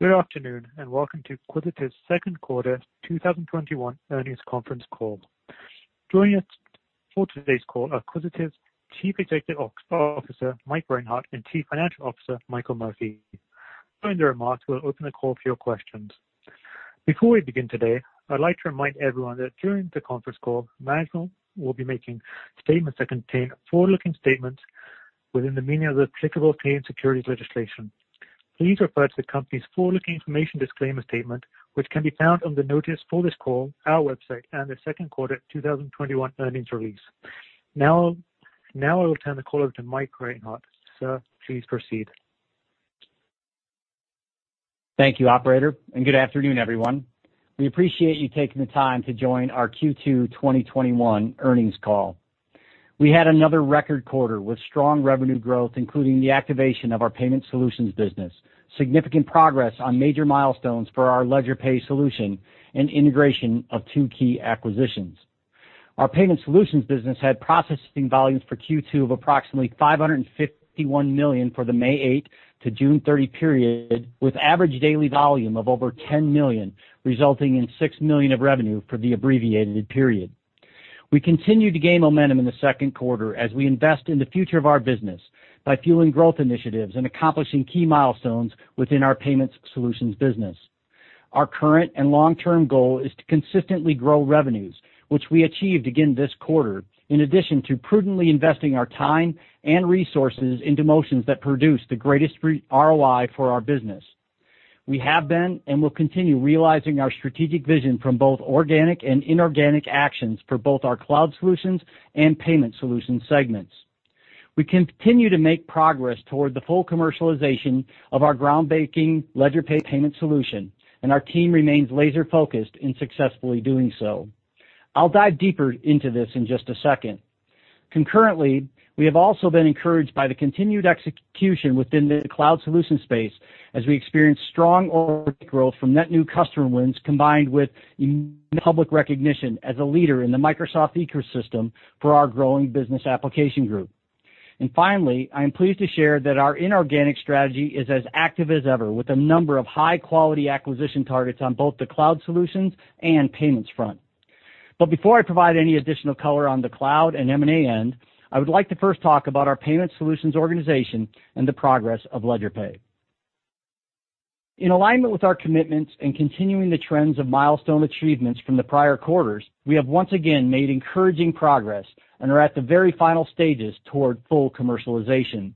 Good afternoon. Welcome to Quisitive's Second Quarter 2021 Earnings Conference Call. Joining us for today's call are Quisitive's Chief Executive Officer, Mike Reinhart, and Chief Financial Officer, Michael Murphy. Following the remarks, we'll open the call for your questions. Before we begin today, I'd like to remind everyone that during the conference call, management will be making statements that contain forward-looking statements within the meaning of the applicable plain securities legislation. Please refer to the company's forward-looking information disclaimer statement, which can be found on the notice for this call, our website, and the second quarter 2021 earnings release. I will turn the call over to Mike Reinhart. Sir, please proceed. Thank you, operator. Good afternoon, everyone. We appreciate you taking the time to join our Q2 2021 earnings call. We had another record quarter with strong revenue growth, including the activation of our payment solutions business, significant progress on major milestones for our LedgerPay solution, and integration of two key acquisitions. Our payment solutions business had processing volumes for Q2 of approximately $551 million for the May 8th to June 30 period, with average daily volume of over $10 million, resulting in $6 million of revenue for the abbreviated period. We continue to gain momentum in the second quarter as we invest in the future of our business by fueling growth initiatives and accomplishing key milestones within our payments solutions business. Our current and long-term goal is to consistently grow revenues, which we achieved again this quarter, in addition to prudently investing our time and resources into motions that produce the greatest ROI for our business. We have been and will continue realizing our strategic vision from both organic and inorganic actions for both our cloud solutions and payment solutions segments. We continue to make progress toward the full commercialization of our groundbreaking LedgerPay payment solution, and our team remains laser-focused in successfully doing so. I'll dive deeper into this in just a second. Concurrently, we have also been encouraged by the continued execution within the cloud solution space as we experience strong organic growth from net new customer wins, combined with public recognition as a leader in the Microsoft ecosystem for our growing business application group. Finally, I am pleased to share that our inorganic strategy is as active as ever, with a number of high-quality acquisition targets on both the cloud solutions and payments front. Before I provide any additional color on the cloud and M&A end, I would like to first talk about our payment solutions organization and the progress of LedgerPay. In alignment with our commitments and continuing the trends of milestone achievements from the prior quarters, we have once again made encouraging progress and are at the very final stages toward full commercialization.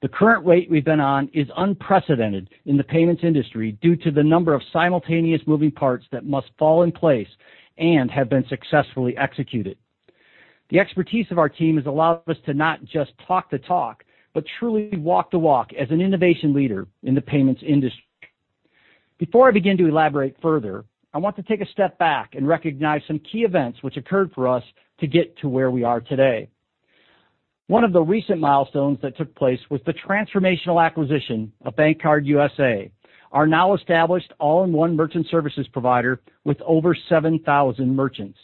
The current rate we've been on is unprecedented in the payments industry due to the number of simultaneous moving parts that must fall in place and have been successfully executed. The expertise of our team has allowed us to not just talk the talk, but truly walk the walk as an innovation leader in the payments industry. Before I begin to elaborate further, I want to take a step back and recognize some key events which occurred for us to get to where we are today. One of the recent milestones that took place was the transformational acquisition of BankCard USA, our now established all-in-one merchant services provider with over 7,000 merchants.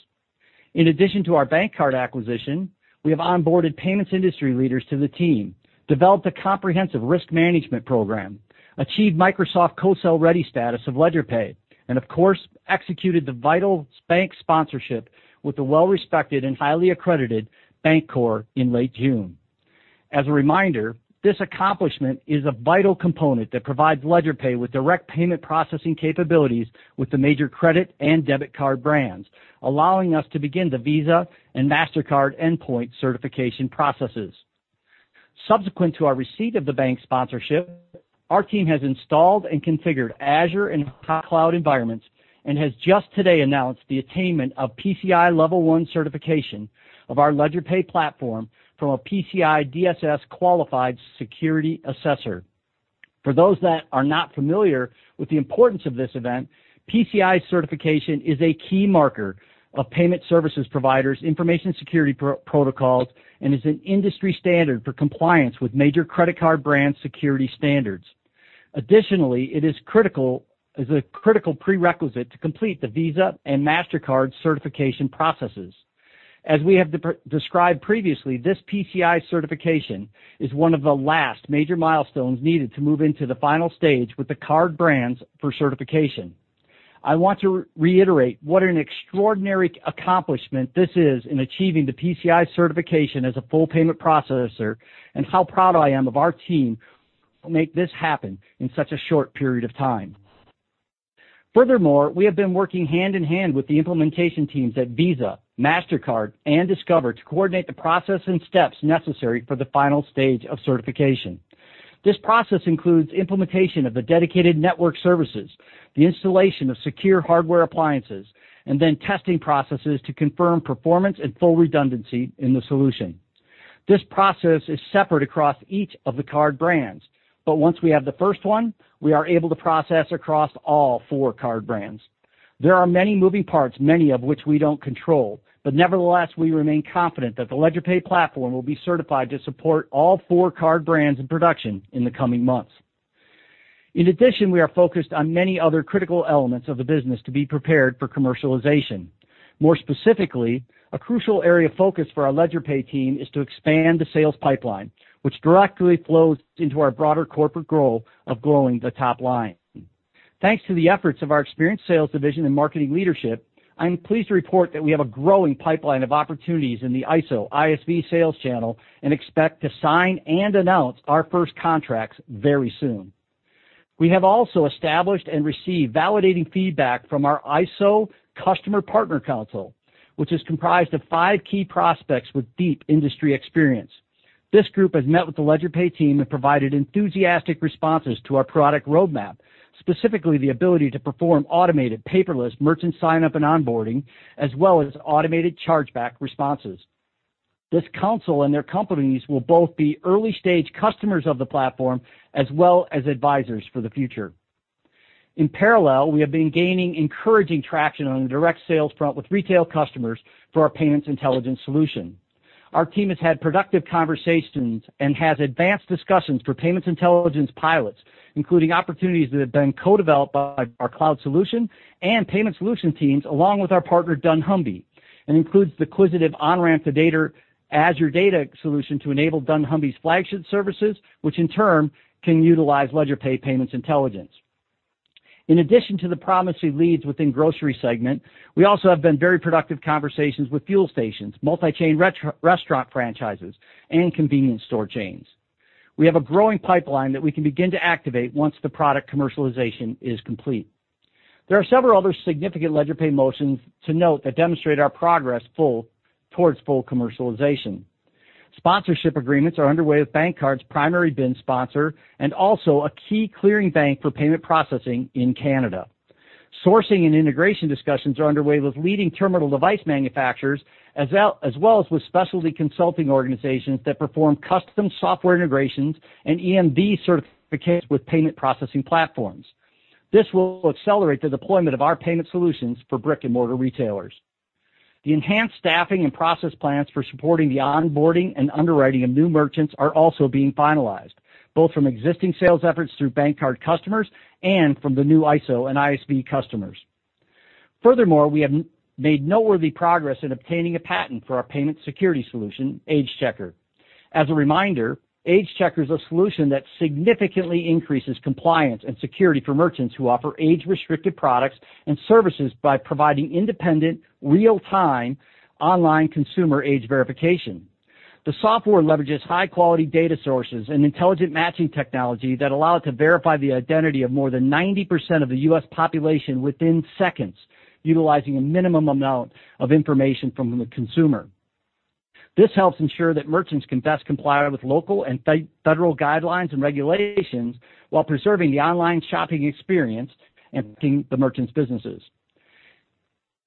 In addition to our BankCard acquisition, we have onboarded payments industry leaders to the team, developed a comprehensive risk management program, achieved Microsoft co-sell ready status of LedgerPay, and of course, executed the vital bank sponsorship with the well-respected and highly accredited The Bancorp in late June. As a reminder, this accomplishment is a vital component that provides LedgerPay with direct payment processing capabilities with the major credit and debit card brands, allowing us to begin the Visa and Mastercard endpoint certification processes. Subsequent to our receipt of the bank sponsorship, our team has installed and configured Azure and cloud environments and has just today announced the attainment of PCI Level 1 certification of our LedgerPay platform from a PCI DSS qualified security assessor. For those that are not familiar with the importance of this event, PCI certification is a key marker of payment services providers' information security protocols and is an industry standard for compliance with major credit card brand security standards. Additionally, it is a critical prerequisite to complete the Visa and Mastercard certification processes. As we have described previously, this PCI certification is one of the last major milestones needed to move into the final stage with the card brands for certification. I want to reiterate what an extraordinary accomplishment this is in achieving the PCI certification as a full payment processor and how proud I am of our team who make this happen in such a short period of time. We have been working hand-in-hand with the implementation teams at Visa, Mastercard, and Discover to coordinate the process and steps necessary for the final stage of certification. This process includes implementation of the dedicated network services, the installation of secure hardware appliances, and then testing processes to confirm performance and full redundancy in the solution. This process is separate across each of the card brands, but once we have the first one, we are able to process across all four card brands. There are many moving parts, many of which we don't control. Nevertheless, we remain confident that the LedgerPay platform will be certified to support all four card brands in production in the coming months. In addition, we are focused on many other critical elements of the business to be prepared for commercialization. More specifically, a crucial area of focus for our LedgerPay team is to expand the sales pipeline, which directly flows into our broader corporate goal of growing the top line. Thanks to the efforts of our experienced sales division and marketing leadership, I'm pleased to report that we have a growing pipeline of opportunities in the ISO/ISV sales channel and expect to sign and announce our first contracts very soon. We have also established and received validating feedback from our ISO Customer Partner Council, which is comprised of five key prospects with deep industry experience. This group has met with the LedgerPay team and provided enthusiastic responses to our product roadmap, specifically the ability to perform automated paperless merchant sign-up and onboarding, as well as automated chargeback responses. This council and their companies will both be early-stage customers of the platform as well as advisors for the future. In parallel, we have been gaining encouraging traction on the direct sales front with retail customers for our payments intelligence solution. Our team has had productive conversations and has advanced discussions for payments intelligence pilots, including opportunities that have been co-developed by our cloud solution and payment solution teams, along with our partner dunnhumby, and includes the Quisitive On-Ramp to Azure data solution to enable dunnhumby's flagship services, which in turn can utilize LedgerPay payments intelligence. In addition to the promising leads within grocery segment, we also have been very productive conversations with fuel stations, multi-chain restaurant franchises, and convenience store chains. We have a growing pipeline that we can begin to activate once the product commercialization is complete. There are several other significant LedgerPay motions to note that demonstrate our progress towards full commercialization. Sponsorship agreements are underway with BankCard's primary BIN sponsor and also a key clearing bank for payment processing in Canada. Sourcing and integration discussions are underway with leading terminal device manufacturers, as well as with specialty consulting organizations that perform custom software integrations and EMV certifications with payment processing platforms. This will accelerate the deployment of our payment solutions for brick-and-mortar retailers. The enhanced staffing and process plans for supporting the onboarding and underwriting of new merchants are also being finalized, both from existing sales efforts through BankCard customers and from the new ISO and ISV customers. We have made noteworthy progress in obtaining a patent for our payment security solution, AgeChecker. As a reminder, AgeChecker is a solution that significantly increases compliance and security for merchants who offer age-restricted products and services by providing independent, real-time online consumer age verification. The software leverages high-quality data sources and intelligent matching technology that allow it to verify the identity of more than 90% of the U.S. population within seconds, utilizing a minimum amount of information from the consumer. This helps ensure that merchants can best comply with local and federal guidelines and regulations while preserving the online shopping experience and protecting the merchants' businesses.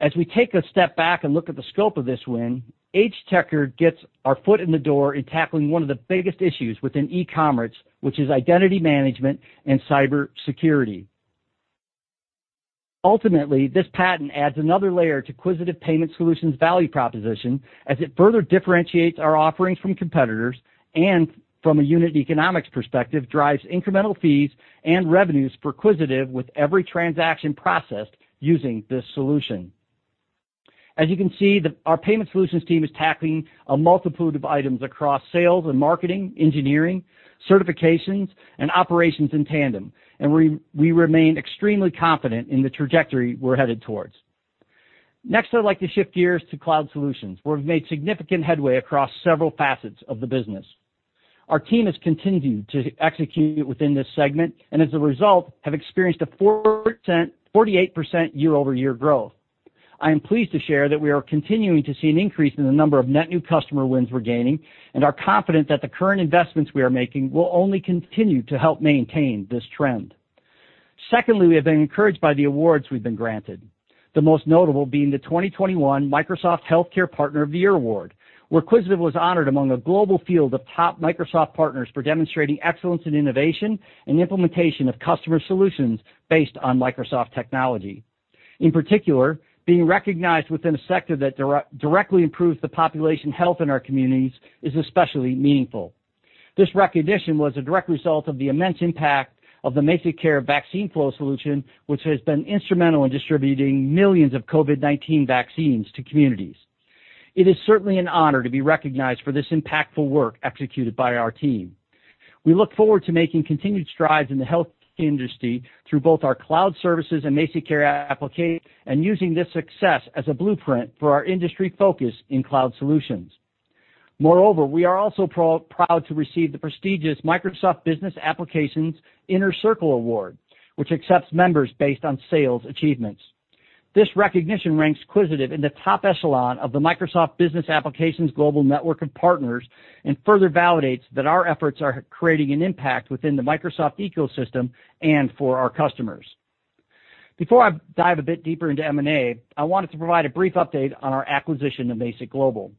As we take a step back and look at the scope of this win, AgeChecker gets our foot in the door in tackling one of the biggest issues within e-commerce, which is identity management and cybersecurity. Ultimately, this patent adds another layer to Quisitive Payment Solutions' value proposition as it further differentiates our offerings from competitors and, from a unit economics perspective, drives incremental fees and revenues for Quisitive with every transaction processed using this solution. As you can see, our payment solutions team is tackling a multitude of items across sales and marketing, engineering, certifications, and operations in tandem, and we remain extremely confident in the trajectory we're headed towards. Next, I'd like to shift gears to cloud solutions, where we've made significant headway across several facets of the business. Our team has continued to execute within this segment and as a result, have experienced a 48% year-over-year growth. I am pleased to share that we are continuing to see an increase in the number of net new customer wins we're gaining and are confident that the current investments we are making will only continue to help maintain this trend. Secondly, we have been encouraged by the awards we've been granted, the most notable being the 2021 Microsoft Global Healthcare Partner of the Year award, where Quisitive was honored among a global field of top Microsoft partners for demonstrating excellence in innovation and implementation of customer solutions based on Microsoft technology. In particular, being recognized within a sector that directly improves the population health in our communities is especially meaningful. This recognition was a direct result of the immense impact of the MazikCare Vaccine Flow solution, which has been instrumental in distributing millions of COVID-19 vaccines to communities. It is certainly an honor to be recognized for this impactful work executed by our team. We look forward to making continued strides in the healthcare industry through both our cloud services and MazikCare application and using this success as a blueprint for our industry focus in cloud solutions. Moreover, we are also proud to receive the prestigious Microsoft Business Applications Inner Circle award, which accepts members based on sales achievements. This recognition ranks Quisitive in the top echelon of the Microsoft Business Applications global network of partners and further validates that our efforts are creating an impact within the Microsoft ecosystem and for our customers. Before I dive a bit deeper into M&A, I wanted to provide a brief update on our acquisition of Mazik Global.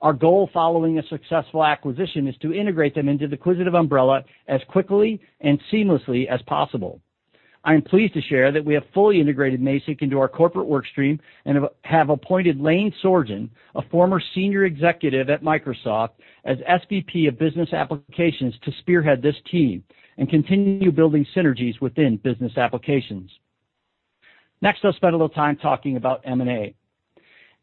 Our goal following a successful acquisition is to integrate them into the Quisitive umbrella as quickly and seamlessly as possible. I'm pleased to share that we have fully integrated Mazik into our corporate work stream and have appointed Lane Sorgen, a former senior executive at Microsoft, as SVP of Business Applications to spearhead this team and continue building synergies within business applications. Next, I'll spend a little time talking about M&A.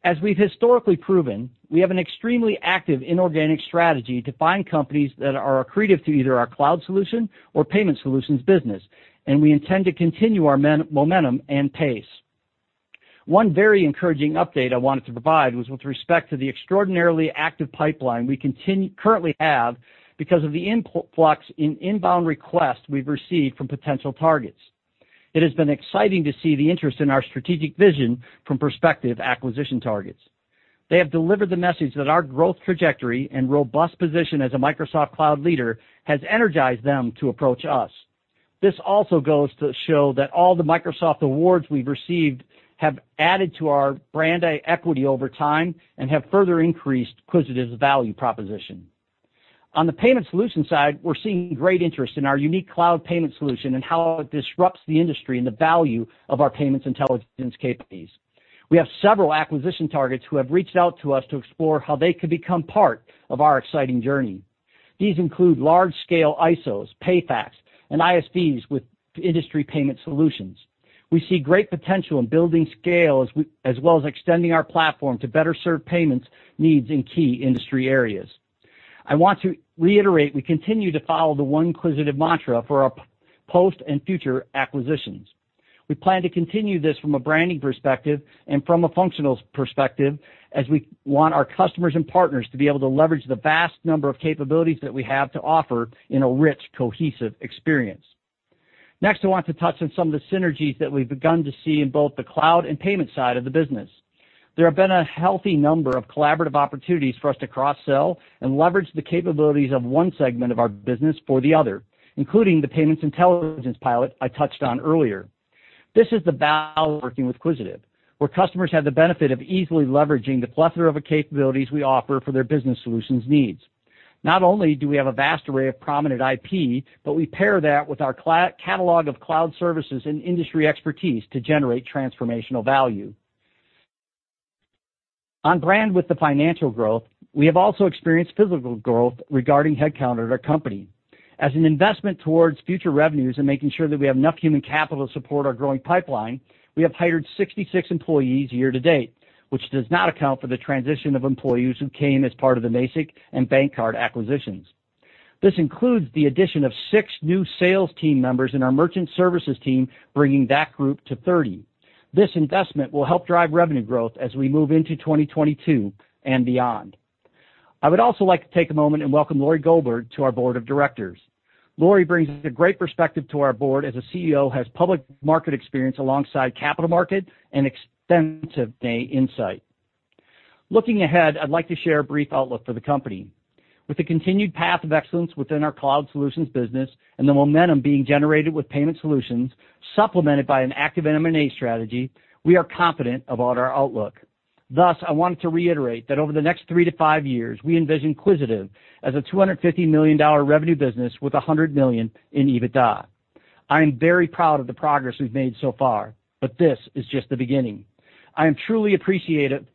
As we've historically proven, we have an extremely active inorganic strategy to find companies that are accretive to either our cloud solution or payment solutions business, and we intend to continue our momentum and pace. One very encouraging update I wanted to provide was with respect to the extraordinarily active pipeline we currently have because of the influx in inbound requests we've received from potential targets. It has been exciting to see the interest in our strategic vision from prospective acquisition targets. They have delivered the message that our growth trajectory and robust position as a Microsoft Cloud leader has energized them to approach us. This also goes to show that all the Microsoft awards we've received have added to our brand equity over time and have further increased Quisitive's value proposition. On the payment solution side, we're seeing great interest in our unique cloud payment solution and how it disrupts the industry and the value of our payments intelligence capabilities. We have several acquisition targets who have reached out to us to explore how they could become part of our exciting journey. These include large-scale ISOs, PayFacs, and ISVs with industry payment solutions. We see great potential in building scale as well as extending our platform to better serve payments needs in key industry areas. I want to reiterate, I continue to follow the one Quisitive mantra for our post and future acquisitions. We plan to continue this from a branding perspective and from a functional perspective as we want our customers and partners to be able to leverage the vast number of capabilities that we have to offer in a rich, cohesive experience. Next, I want to touch on some of the synergies that we've begun to see in both the cloud and payment side of the business. There have been a healthy number of collaborative opportunities for us to cross-sell and leverage the capabilities of one segment of our business for the other, including the payments intelligence pilot I touched on earlier. This is the value of working with Quisitive, where customers have the benefit of easily leveraging the plethora of capabilities we offer for their business solutions needs. Not only do we have a vast array of prominent IP, but we pair that with our catalog of cloud services and industry expertise to generate transformational value. On brand with the financial growth, we have also experienced physical growth regarding headcount at our company. As an investment towards future revenues and making sure that we have enough human capital to support our growing pipeline, we have hired 66 employees year-to-date, which does not account for the transition of employees who came as part of the Mazik and BankCard acquisitions. This includes the addition of six new sales team members in our merchant services team, bringing that group to 30. This investment will help drive revenue growth as we move into 2022 and beyond. I would also like to take a moment and welcome Laurie Goldberg to our board of directors. Laurie brings a great perspective to our board as a CEO, has public market experience alongside capital market, and extensive data insight. Looking ahead, I'd like to share a brief outlook for the company. With the continued path of excellence within our cloud solutions business and the momentum being generated with payment solutions, supplemented by an active M&A strategy, we are confident about our outlook. I wanted to reiterate that over the next three to five years, we envision Quisitive as a $250 million revenue business with 100 million in EBITDA. I am very proud of the progress we've made so far, but this is just the beginning. I am truly appreciative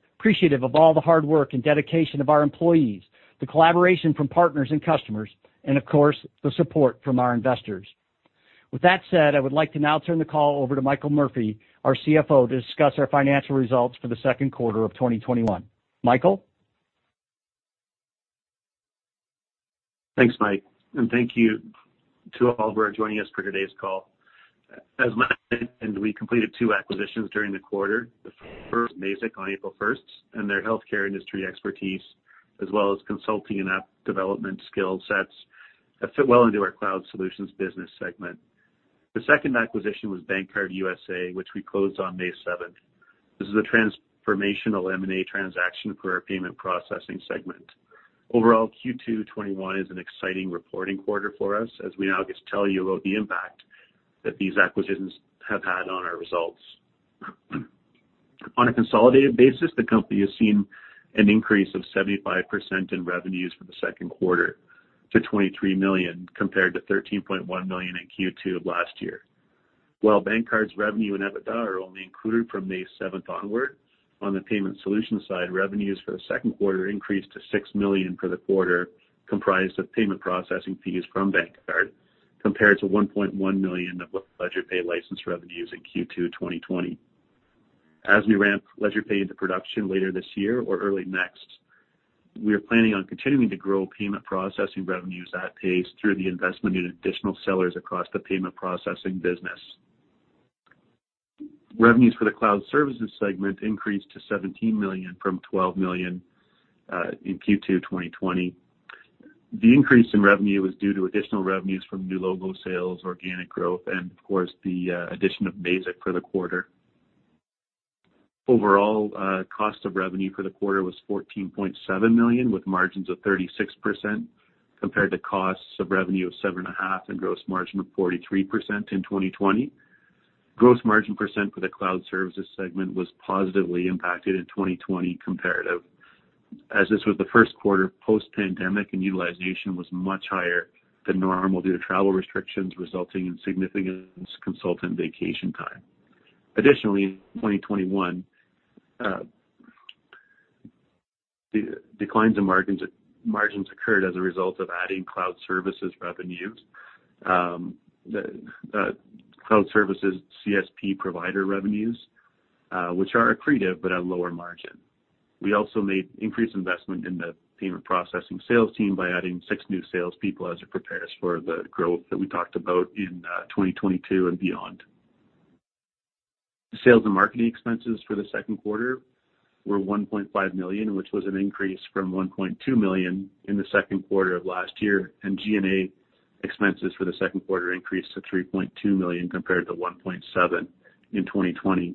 of all the hard work and dedication of our employees, the collaboration from partners and customers, and of course, the support from our investors. I would like to now turn the call over to Michael Murphy, our CFO, to discuss our financial results for the second quarter of 2021. Michael? Thanks, Mike, and thank you to all who are joining us for today's call. As Mike mentioned, we completed two acquisitions during the quarter. The first, Mazik, on April 1st, and their healthcare industry expertise, as well as consulting and app development skill sets that fit well into our cloud solutions business segment. The second acquisition was BankCard USA, which we closed on May 7th. This is a transformational M&A transaction for our payment processing segment. Overall, Q2 2021 is an exciting reporting quarter for us as we now get to tell you about the impact that these acquisitions have had on our results. On a consolidated basis, the company has seen an increase of 75% in revenues from the second quarter to 23 million, compared to 13.1 million in Q2 of last year. While BankCard's revenue and EBITDA are only included from May 7th onward, on the payment solutions side, revenues for the second quarter increased to 6 million for the quarter, comprised of payment processing fees from BankCard, compared to 1.1 million of LedgerPay license revenues in Q2 2020. As we ramp LedgerPay into production later this year or early next, we are planning on continuing to grow payment processing revenues at pace through the investment in additional sellers across the payment processing business. Revenues for the cloud services segment increased to 17 million from 12 million in Q2 2020. The increase in revenue was due to additional revenues from new logo sales, organic growth, and of course, the addition of Mazik for the quarter. Overall, cost of revenue for the quarter was 14.7 million, with margins of 36%, compared to costs of revenue of 7.5 million and gross margin of 43% in 2020. Gross margin percent for the cloud services segment was positively impacted in 2020, comparative, as this was the first quarter post-pandemic and utilization was much higher than normal due to travel restrictions resulting in significant consultant vacation time. Additionally, in 2021, the declines in margins occurred as a result of adding cloud services revenues. The cloud services CSP provider revenues, which are accretive but at a lower margin. We also made increased investment in the payment processing sales team by adding six new salespeople as it prepares for the growth that we talked about in 2022 and beyond. Sales and marketing expenses for the second quarter were 1.5 million, which was an increase from 1.2 million in the second quarter of last year and G&A expenses for the second quarter increased to 3.2 million compared to 1.7 million in 2020.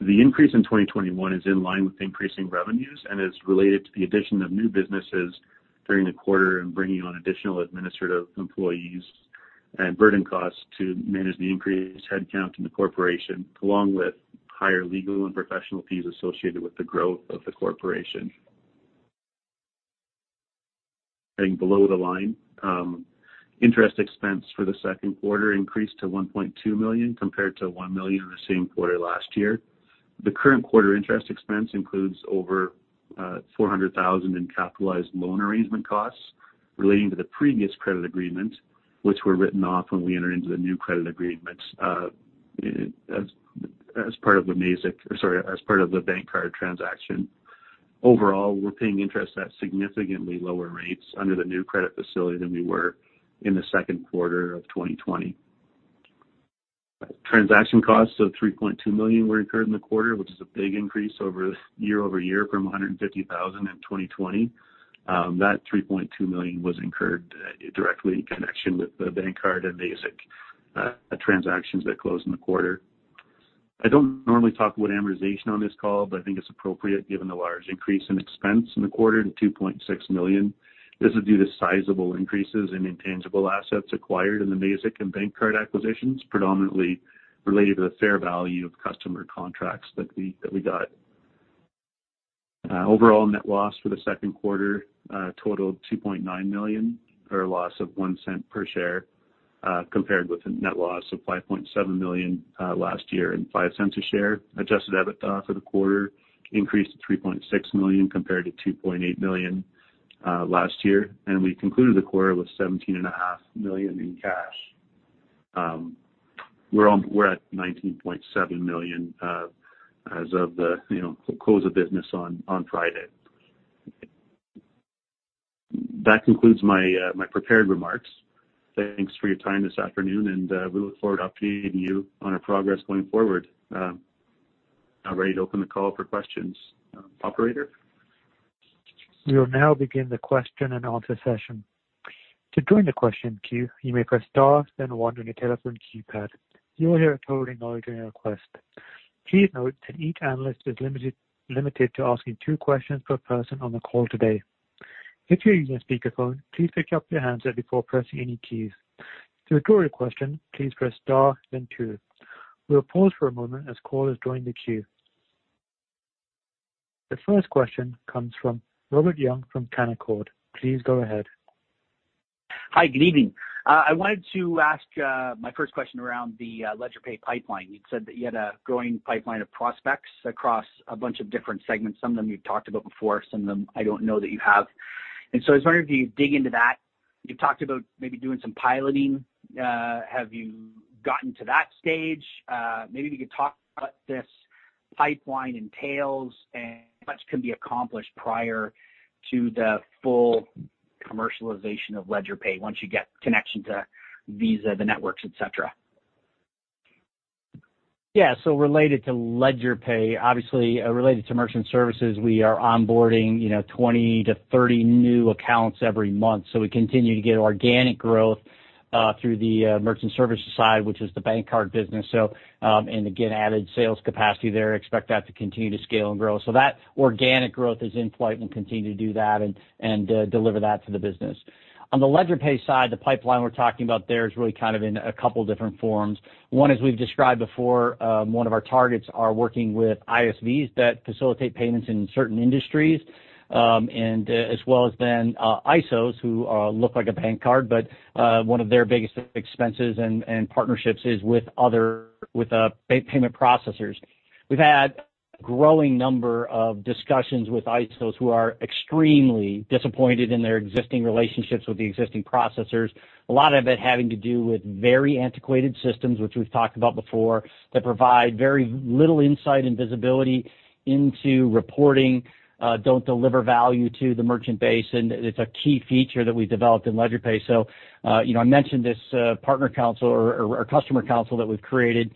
The increase in 2021 is in line with increasing revenues and is related to the addition of new businesses during the quarter and bringing on additional administrative employees and burden costs to manage the increased headcount in the corporation, along with higher legal and professional fees associated with the growth of the corporation. Below the line, interest expense for the second quarter increased to 1.2 million compared to 1 million in the same quarter last year. The current quarter interest expense includes over 400,000 in capitalized loan arrangement costs relating to the previous credit agreement, which were written off when we entered into the new credit agreements as part of the BankCard transaction. Overall, we're paying interest at significantly lower rates under the new credit facility than we were in the second quarter of 2020. Transaction costs of 3.2 million were incurred in the quarter, which is a big increase year-over-year from 150,000 in 2020. That 3.2 million was incurred directly in connection with the BankCard and Mazik transactions that closed in the quarter. I don't normally talk about amortization on this call, but I think it's appropriate given the large increase in expense in the quarter to 2.6 million. This is due to sizable increases in intangible assets acquired in the Mazik and BankCard acquisitions, predominantly related to the fair value of customer contracts that we got. Overall net loss for the second quarter totaled 2.9 million or a loss of 0.01 per share, compared with a net loss of 5.7 million last year and 0.05 a share. Adjusted EBITDA for the quarter increased to 3.6 million compared to 2.8 million last year. We concluded the quarter with 17.5 million in cash. We're at 19.7 million as of the close of business on Friday. That concludes my prepared remarks. Thanks for your time this afternoon, and we look forward to updating you on our progress going forward. I'm now ready to open the call for questions. Operator? We will now begin the question and answer session. To join the question queue, you may press star then one on your telephone keypad. You will hear a tone acknowledging your request. Please note that each analyst is limited to asking two questions per person on the call today. If you're using a speakerphone, please pick up your handset before pressing any keys. To withdraw your question, please press star then two. We'll pause for a moment as callers join the queue. The first question comes from Robert Young from Canaccord Genuity. Please go ahead. Hi, good evening. I wanted to ask my first question around the LedgerPay pipeline. You'd said that you had a growing pipeline of prospects across a bunch of different segments. Some of them you've talked about before, some of them I don't know that you have. I was wondering if you could dig into that. You've talked about maybe doing some piloting. Have you gotten to that stage? Maybe if you could talk about what this pipeline entails and how much can be accomplished prior to the full commercialization of LedgerPay once you get connection to Visa, the networks, et cetera. Yeah. Related to LedgerPay, obviously related to merchant services, we are onboarding 20-30 new accounts every month. We continue to get organic growth through the merchant services side, which is the BankCard business. Again, added sales capacity there, expect that to continue to scale and grow. That organic growth is in flight and will continue to do that and deliver that to the business. On the LedgerPay side, the pipeline we're talking about there is really kind of in a couple different forms. One, as we've described before, one of our targets are working with ISVs that facilitate payments in certain industries, and as well as then ISOs who look like a BankCard, but one of their biggest expenses and partnerships is with payment processors. We've had a growing number of discussions with ISOs who are extremely disappointed in their existing relationships with the existing processors. A lot of it having to do with very antiquated systems, which we've talked about before, that provide very little insight and visibility into reporting, don't deliver value to the merchant base, and it's a key feature that we've developed in LedgerPay. I mentioned this partner council or customer council that we've created.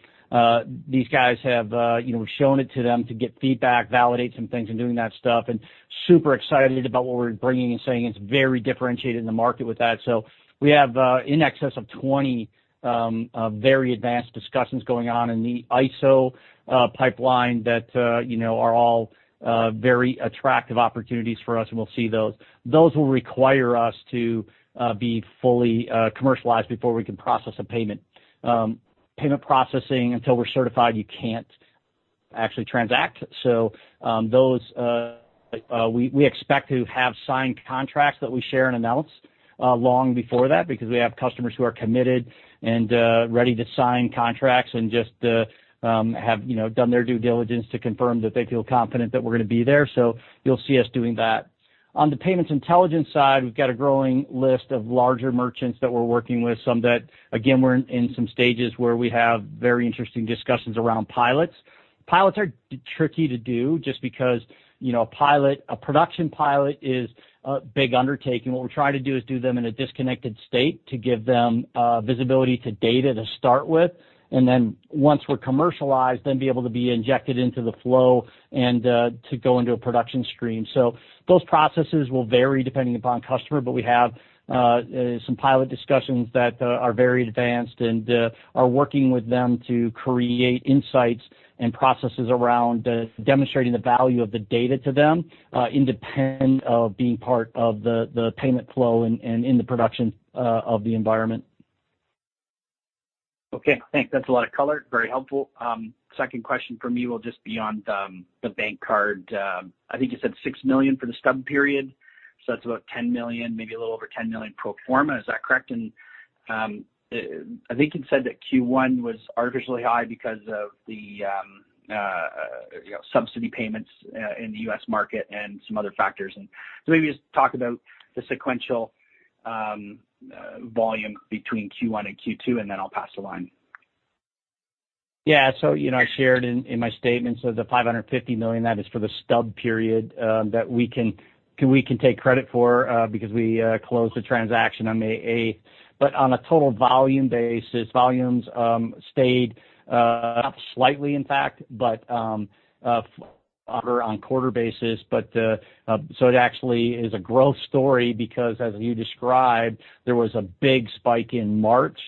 These guys We've shown it to them to get feedback, validate some things, and doing that stuff, and super excited about what we're bringing and saying it's very differentiated in the market with that. We have in excess of 20 very advanced discussions going on in the ISO pipeline that are all very attractive opportunities for us, and we'll see those. Those will require us to be fully commercialized before we can process a payment. Payment processing, until we're certified, you can't actually transact. We expect to have signed contracts that we share and announce long before that because we have customers who are committed and ready to sign contracts and just have done their due diligence to confirm that they feel confident that we're going to be there. You'll see us doing that. On the payments intelligence side, we've got a growing list of larger merchants that we're working with, some that again, we're in some stages where we have very interesting discussions around pilots. Pilots are tricky to do just because a production pilot is a big undertaking. What we try to do is do them in a disconnected state to give them visibility to data to start with, and then once we're commercialized, then be able to be injected into the flow and to go into a production stream. Those processes will vary depending upon customer, but we have some pilot discussions that are very advanced and are working with them to create insights and processes around demonstrating the value of the data to them, independent of being part of the payment flow and in the production of the environment. Thanks. That's a lot of color. Very helpful. Second question from me will just be on the BankCard. I think you said $6 million for the stub period? So that's about $10 million, maybe a little over $10 million pro forma, is that correct? I think you'd said that Q1 was artificially high because of the subsidy payments in the U.S. market and some other factors. Maybe just talk about the sequential volume between Q1 and Q2, then I'll pass the line. Yeah. I shared in my statement, so the 550 million, that is for the stub period that we can take credit for because we closed the transaction on May 8th. On a total volume basis, volumes stayed up slightly, in fact, but on a quarter basis. It actually is a growth story because as you described, there was a big spike in March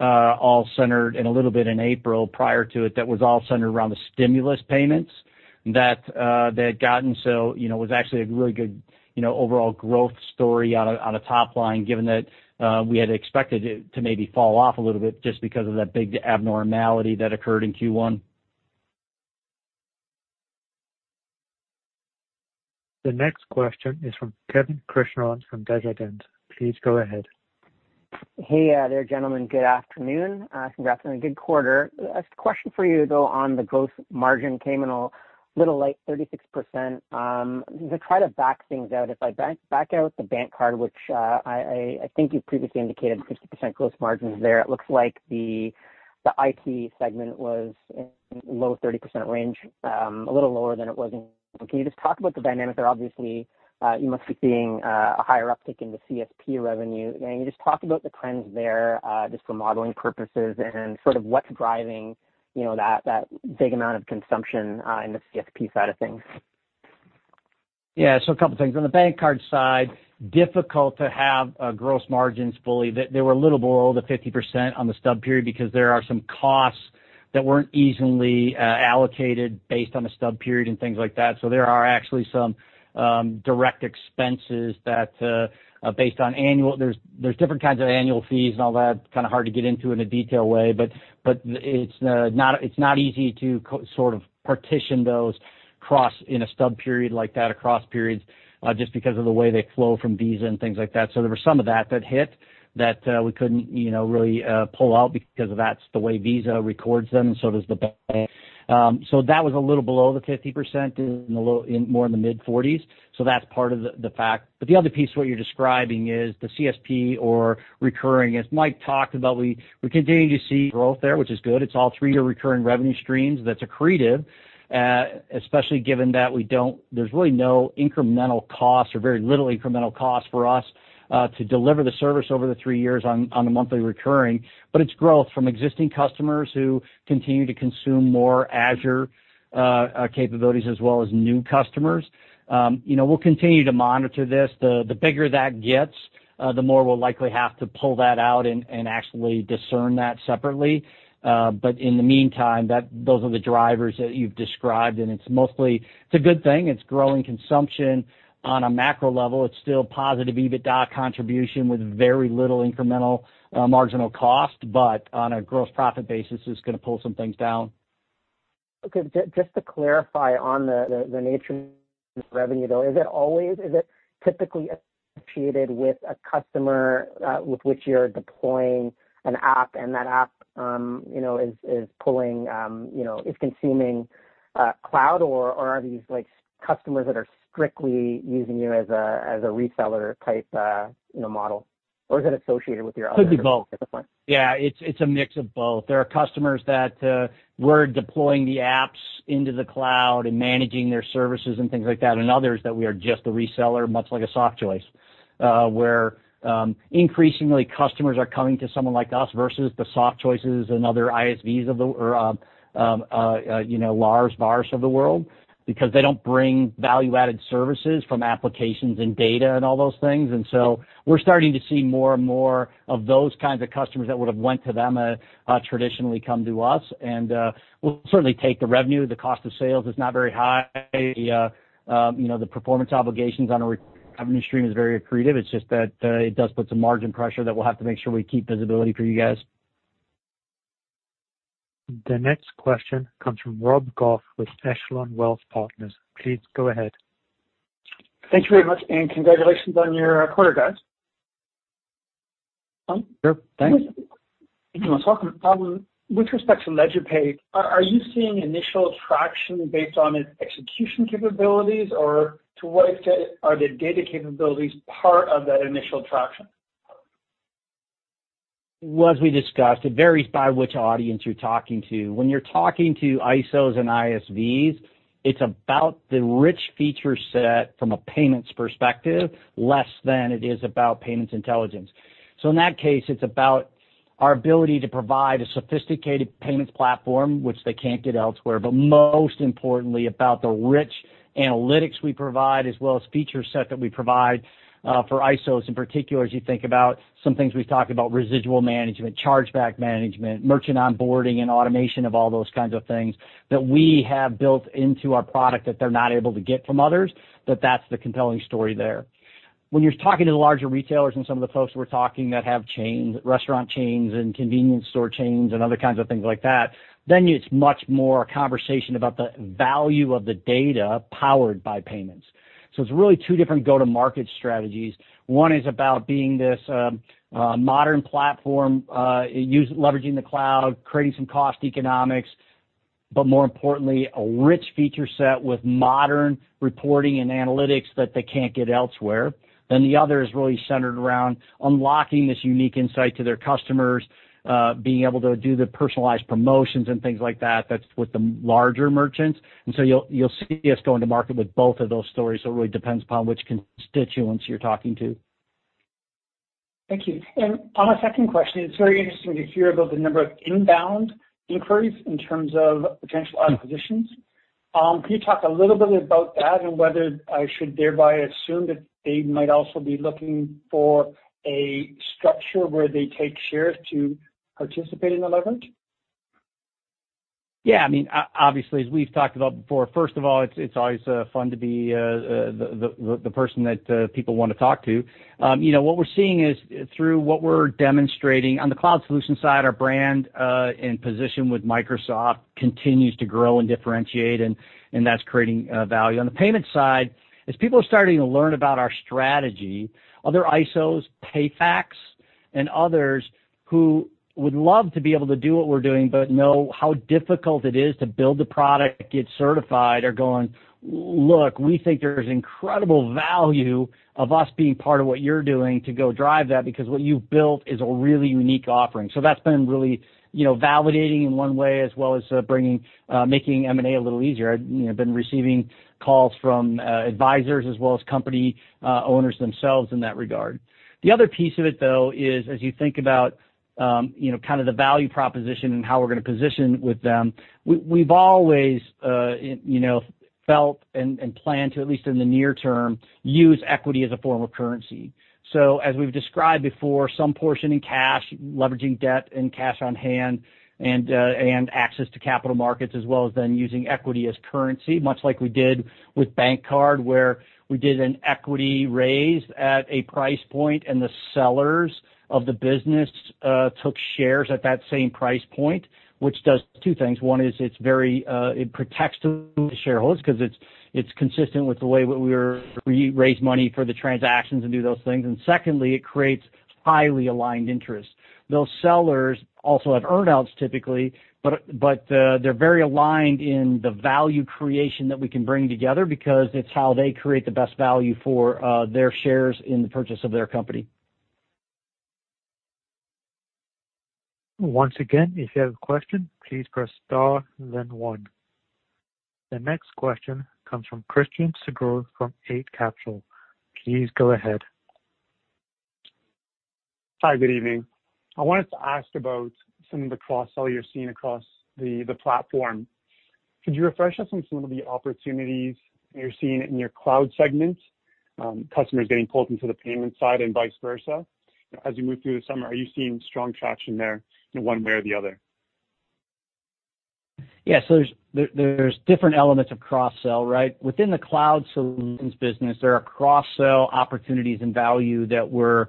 and a little bit in April prior to it that was all centered around the stimulus payments that had gotten. It was actually a really good overall growth story on a top line, given that we had expected it to maybe fall off a little bit just because of that big abnormality that occurred in Q1. The next question is from Kevin Krishnaratne from Desjardins. Please go ahead. Hey there, gentlemen. Good afternoon. Congrats on a good quarter. A question for you, though, on the gross margin came in a little light, 36%. To try to back things out, if I back out the BankCard USA, which I think you previously indicated 50% gross margins there, it looks like the IT segment was in low 30% range, a little lower than it was. Can you just talk about the dynamics there? Obviously, you must be seeing a higher uptick in the CSP revenue. Can you just talk about the trends there, just for modeling purposes and sort of what's driving that big amount of consumption in the CSP side of things? Yeah, a couple things. On the BankCard side, difficult to have gross margins fully. They were a little below the 50% on the stub period because there are some costs that weren't easily allocated based on the stub period and things like that. There are actually some direct expenses that based on annual. There's different kinds of annual fees and all that, kind of hard to get into in a detailed way. It's not easy to sort of partition those in a stub period like that across periods, just because of the way they flow from Visa and things like that. There was some of that that hit that we couldn't really pull out because that's the way Visa records them, and so does the bank. That was a little below the 50%, more in the mid-40s. That's part of the fact. The other piece, what you're describing is the CSP or recurring. As Mike talked about, we continue to see growth there, which is good. It's all three-year recurring revenue streams that's accretive, especially given that there's really no incremental cost or very little incremental cost for us to deliver the service over the 3 years on the monthly recurring. It's growth from existing customers who continue to consume more Azure capabilities as well as new customers. We'll continue to monitor this. The bigger that gets, the more we'll likely have to pull that out and actually discern that separately. In the meantime, those are the drivers that you've described, and it's a good thing. It's growing consumption. On a macro level, it's still positive EBITDA contribution with very little incremental marginal cost, but on a gross profit basis, it's going to pull some things down. Okay. Just to clarify on the nature of revenue, though, is it typically associated with a customer with which you're deploying an app and that app is consuming cloud? Are these customers that are strictly using you as a reseller-type model? Is it associated with your other- Could be both. different? Yeah, it's a mix of both. There are customers that we're deploying the apps into the cloud and managing their services and things like that, and others that we are just the reseller, much like a Softchoice, where increasingly customers are coming to someone like us versus the Softchoices and other ISVs or VARs of the world because they don't bring value-added services from applications and data and all those things. We're starting to see more and more of those kinds of customers that would have went to them traditionally come to us, and we'll certainly take the revenue. The cost of sales is not very high. The performance obligations on a revenue stream is very accretive. It's just that it does put some margin pressure that we'll have to make sure we keep visibility for you guys. The next question comes from Rob Goff with Echelon Wealth Partners. Please go ahead. Thank you very much, and congratulations on your quarter guide. Sure. Thanks. You're most welcome. With respect to LedgerPay, are you seeing initial traction based on its execution capabilities? Or to what extent are the data capabilities part of that initial traction? Well, as we discussed, it varies by which audience you're talking to. When you're talking to ISOs and ISVs, it's about the rich feature set from a payments perspective, less than it is about payments intelligence. In that case, it's about our ability to provide a sophisticated payments platform which they can't get elsewhere, but most importantly about the rich analytics we provide as well as feature set that we provide, for ISOs in particular, as you think about some things we've talked about, residual management, chargeback management, merchant onboarding, and automation of all those kinds of things that we have built into our product that they're not able to get from others, that that's the compelling story there. When you're talking to the larger retailers and some of the folks we're talking that have restaurant chains and convenience store chains and other kinds of things like that, then it's much more a conversation about the value of the data powered by payments. It's really two different go-to-market strategies. One is about being this modern platform, leveraging the cloud, creating some cost economics. More importantly, a rich feature set with modern reporting and analytics that they can't get elsewhere. The other is really centered around unlocking this unique insight to their customers, being able to do the personalized promotions and things like that. That's with the larger merchants. You'll see us go into market with both of those stories. It really depends upon which constituents you're talking to. Thank you. On a second question, it's very interesting to hear about the number of inbound inquiries in terms of potential acquisitions. Can you talk a little bit about that and whether I should thereby assume that they might also be looking for a structure where they take shares to participate in the leverage? Obviously, as we've talked about before, first of all, it's always fun to be the person that people want to talk to. What we're seeing is through what we're demonstrating. On the cloud solutions side, our brand and position with Microsoft continues to grow and differentiate, and that's creating value. On the payment side, as people are starting to learn about our strategy, other ISOs, PayFacs, and others who would love to be able to do what we're doing but know how difficult it is to build the product, get certified, are going, "Look, we think there's incredible value of us being part of what you're doing to go drive that because what you've built is a really unique offering." That's been really validating in one way as well as making M&A a little easier. I've been receiving calls from advisors as well as company owners themselves in that regard. The other piece of it, though, is as you think about the value proposition and how we're going to position with them, we've always felt and planned to, at least in the near term, use equity as a form of currency. As we've described before, some portion in cash, leveraging debt and cash on hand and access to capital markets as well as then using equity as currency, much like we did with BankCard, where we did an equity raise at a price point and the sellers of the business took shares at that same price point, which does two things. One is it protects the shareholders because it's consistent with the way we raise money for the transactions and do those things. Secondly, it creates highly aligned interests. Those sellers also have earn-outs typically. They're very aligned in the value creation that we can bring together because it's how they create the best value for their shares in the purchase of their company. Once again, if you have a question, please press star then one. The next question comes from Christian Sgro from Eight Capital. Please go ahead. Hi, good evening. I wanted to ask about some of the cross-sell you're seeing across the platform. Could you refresh us on some of the opportunities you're seeing in your cloud segment, customers getting pulled into the payment side and vice versa? As you move through the summer, are you seeing strong traction there in one way or the other? Yeah. There's different elements of cross-sell, right? Within the cloud solutions business, there are cross-sell opportunities and value that we're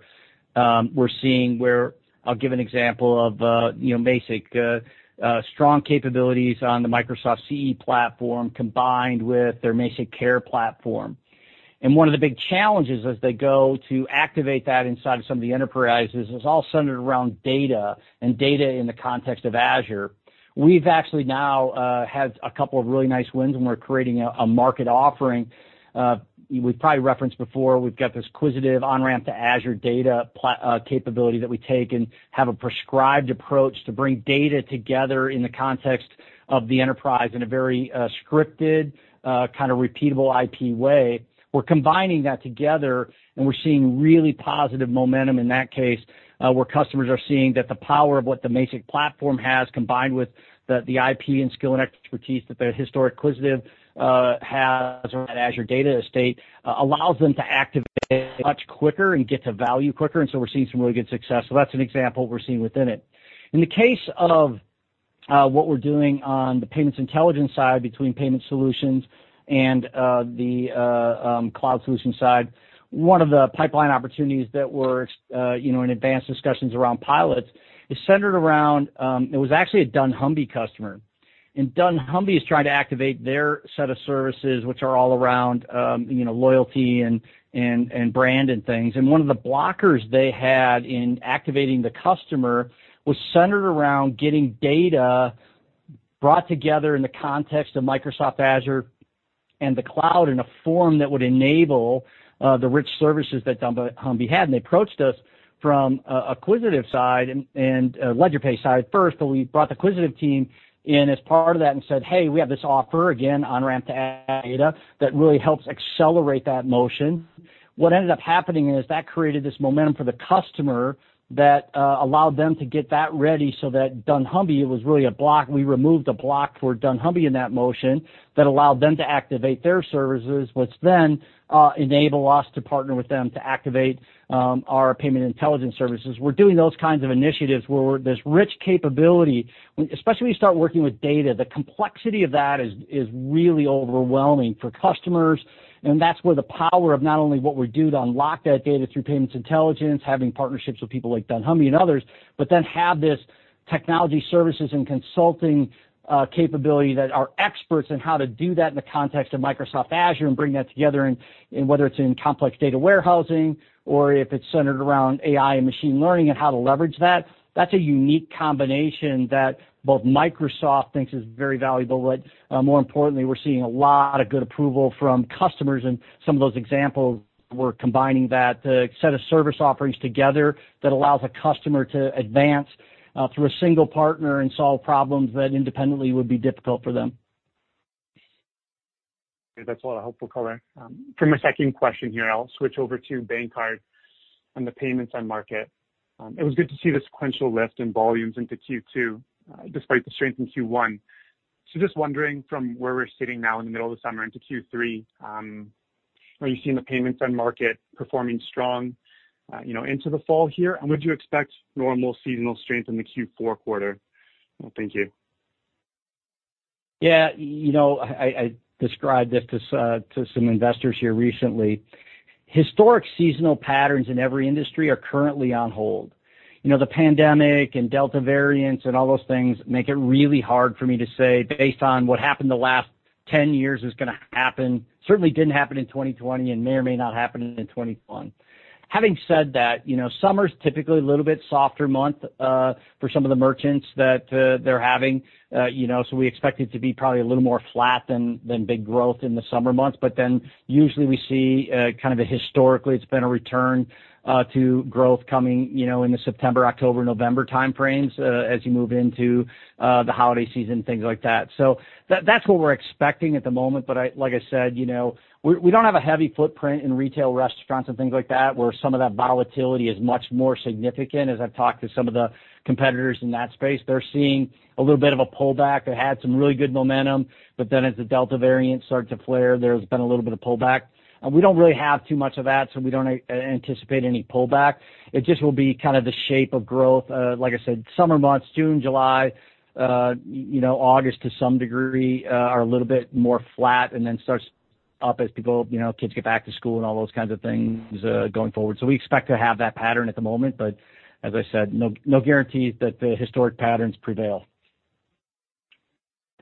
seeing where I'll give an example of Mazik strong capabilities on the Microsoft CE platform combined with their MazikCare platform. One of the big challenges as they go to activate that inside of some of the enterprises is all centered around data and data in the context of Azure. We've actually now had a couple of really nice wins, and we're creating a market offering. We've probably referenced before, we've got this Quisitive On-Ramp to Azure data capability that we take and have a prescribed approach to bring data together in the context of the enterprise in a very scripted, repeatable IP way. We're combining that together, and we're seeing really positive momentum in that case, where customers are seeing that the power of what the Mazik platform has, combined with the IP and skill and expertise that the historic Quisitive has around Azure data estate, allows them to activate much quicker and get to value quicker. We're seeing some really good success. That's an example we're seeing within it. In the case of what we're doing on the payments intelligence side between Quisitive Payment Solutions and the cloud solution side, one of the pipeline opportunities that we're in advanced discussions around pilots is centered around, it was actually a dunnhumby customer. dunnhumby is trying to activate their set of services, which are all around loyalty and brand and things. One of the blockers they had in activating the customer was centered around getting data brought together in the context of Microsoft Azure and the cloud in a form that would enable the rich services that dunnhumby had. They approached us from a Quisitive side and LedgerPay side first, but we brought the Quisitive team in as part of that and said, "Hey, we have this offer, again, on-ramp to data that really helps accelerate that motion." What ended up happening is that created this momentum for the customer that allowed them to get that ready so that dunnhumby, it was really a block. We removed a block for dunnhumby in that motion that allowed them to activate their services, which then enable us to partner with them to activate our payment intelligence services. We're doing those kinds of initiatives where there's rich capability. Especially when you start working with data, the complexity of that is really overwhelming for customers, and that's where the power of not only what we do to unlock that data through payments intelligence, having partnerships with people like dunnhumby and others, but then have this technology services and consulting capability that are experts in how to do that in the context of Microsoft Azure and bring that together in, whether it's in complex data warehousing or if it's centered around AI and machine learning and how to leverage that. That's a unique combination that both Microsoft thinks is very valuable, but more importantly, we're seeing a lot of good approval from customers, and some of those examples we're combining that set of service offerings together that allows a customer to advance through a single partner and solve problems that independently would be difficult for them. That's all I hoped we'll cover. For my second question here, I'll switch over to BankCard and the payments end market. It was good to see the sequential lift in volumes into Q2, despite the strength in Q1. Just wondering from where we're sitting now in the middle of the summer into Q3, are you seeing the payments end market performing strong into the fall here? Would you expect normal seasonal strength in the Q4 quarter? Thank you. Yeah. I described this to some investors here recently. Historic seasonal patterns in every industry are currently on hold. The pandemic and Delta variants and all those things make it really hard for me to say based on what happened the last 10 years is going to happen. Certainly didn't happen in 2020, and may or may not happen in 2021. Having said that, summer's typically a little bit softer month for some of the merchants that they're having. We expect it to be probably a little more flat than big growth in the summer months. Usually we see kind of a historically it's been a return to growth coming in the September, October, November time frames as you move into the holiday season, things like that. That's what we're expecting at the moment, but like I said, we don't have a heavy footprint in retail restaurants and things like that, where some of that volatility is much more significant. As I've talked to some of the competitors in that space, they're seeing a little bit of a pullback. They had some really good momentum, but then as the Delta variant started to flare, there's been a little bit of pullback. We don't really have too much of that, so we don't anticipate any pullback. It just will be kind of the shape of growth. Like I said, summer months, June, July, August to some degree are a little bit more flat and then starts up as kids get back to school and all those kinds of things going forward. We expect to have that pattern at the moment, but as I said, no guarantees that the historic patterns prevail.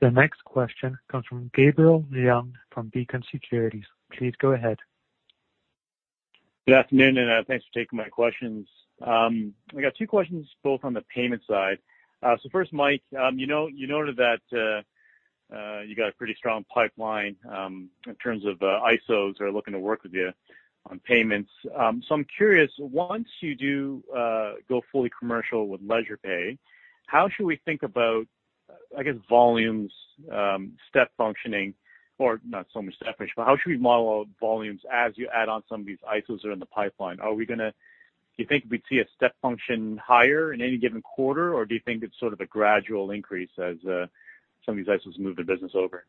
The next question comes from Gabriel Leung from Beacon Securities. Please go ahead. Good afternoon, and thanks for taking my questions. I got two questions, both on the payment side. First, Mike, you noted that you got a pretty strong pipeline in terms of ISOs who are looking to work with you on payments. I'm curious, once you do go fully commercial with LedgerPay, how should we think about, I guess volumes step functioning, or not so much step function, but how should we model volumes as you add on some of these ISOs that are in the pipeline? Do you think we'd see a step function higher in any given quarter, or do you think it's sort of a gradual increase as some of these ISOs move the business over?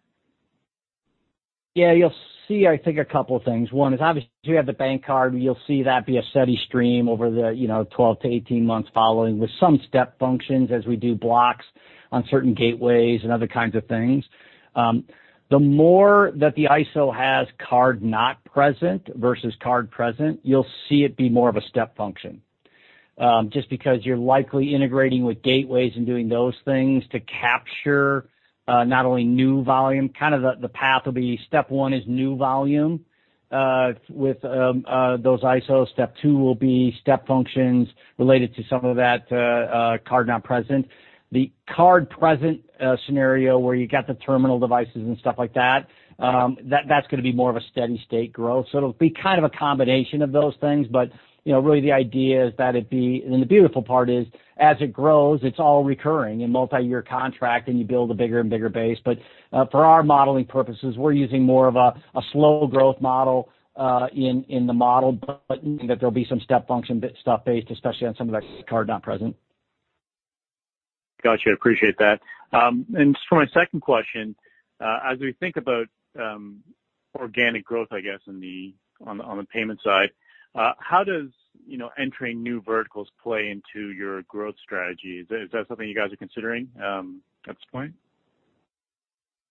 You'll see, I think, a couple of things. One is obviously you have the BankCard, you'll see that be a steady stream over the 12 to 18 months following, with some step functions as we do blocks on certain gateways and other kinds of things. The more that the ISO has card not present versus card present, you'll see it be more of a step function. Because you're likely integrating with gateways and doing those things to capture not only new volume, kind of the path will be step one is new volume with those ISOs. Step 2 will be step functions related to some of that card not present. The card present scenario where you got the terminal devices and stuff like that's going to be more of a steady state growth. It'll be kind of a combination of those things. Really the idea is that it and the beautiful part is as it grows, it's all recurring and multi-year contract, and you build a bigger and bigger base. For our modeling purposes, we're using more of a slow growth model in the model, but that there'll be some step function stuff based, especially on some of that card not present. Got you. Appreciate that. Just for my second question, as we think about organic growth, I guess, on the payment side, how does entering new verticals play into your growth strategy? Is that something you guys are considering at this point?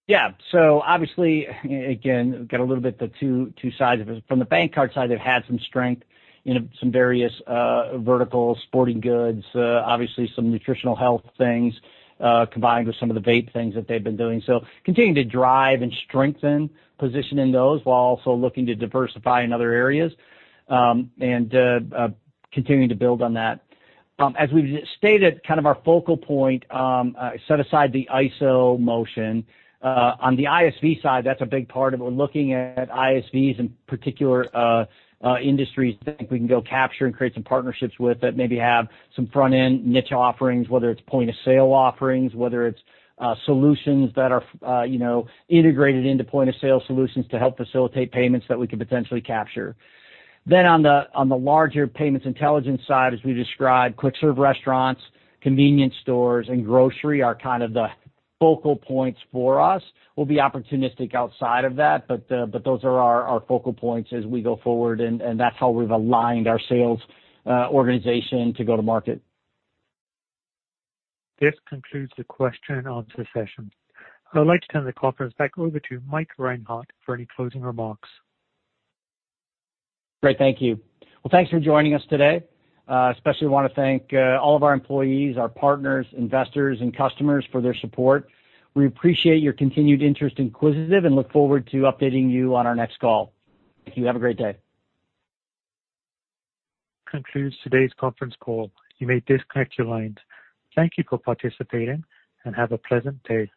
Yeah. Obviously, again, got a little bit the two sides of it. From the BankCard side, they've had some strength in some various verticals, sporting goods, obviously some nutritional health things, combined with some of the vape things that they've been doing. Continuing to drive and strengthen position in those, while also looking to diversify in other areas and continuing to build on that. As we've stated, kind of our focal point, set aside the ISO motion. On the ISV side, that's a big part of it. We're looking at ISVs in particular industries that I think we can go capture and create some partnerships with that maybe have some front-end niche offerings, whether it's point-of-sale offerings, whether it's solutions that are integrated into point-of-sale solutions to help facilitate payments that we could potentially capture. On the larger payments intelligence side, as we described, quick-serve restaurants, convenience stores, and grocery are kind of the focal points for us. We'll be opportunistic outside of that, but those are our focal points as we go forward, and that's how we've aligned our sales organization to go to market. This concludes the question answer session. I'd like to turn the conference back over to Mike Reinhart for any closing remarks. Great. Thank you. Well, thanks for joining us today. Especially want to thank all of our employees, our partners, investors, and customers for their support. We appreciate your continued interest in Quisitive and look forward to updating you on our next call. Thank you. Have a great day. Concludes today's conference call. You may disconnect your lines. Thank you for participating, and have a pleasant day.